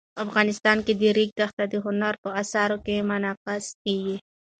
افغانستان کې د ریګ دښتې د هنر په اثار کې منعکس کېږي.